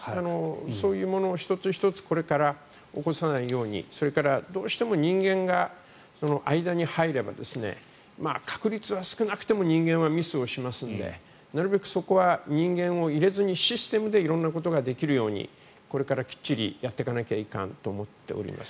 そういうもの、１つ１つこれから起こさないようにそれから、どうしても人間がその間に入れば確率は少なくても人間はミスをしますのでなるべくそこは人間を入れずにシステムで色んなことができるようにこれからきっちりやっていかなきゃいかんと思っています。